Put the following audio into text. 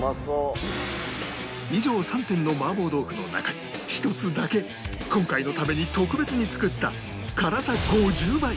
以上３点の麻婆豆腐の中に１つだけ今回のために特別に作った辛さ５０倍！